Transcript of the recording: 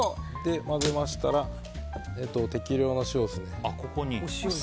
混ぜましたら、適量の塩です。